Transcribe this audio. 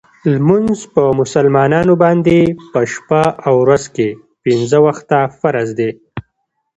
لمونځ په مسلمانانو باندې په شپه او ورځ کې پنځه وخته فرض دی .